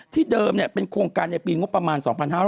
ที่เดิมเป็นโครงการในปีประมาณ๒๕๖๓